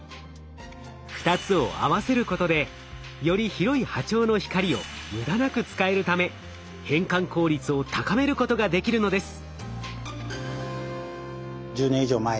２つを合わせることでより広い波長の光を無駄なく使えるため変換効率を高めることができるのです。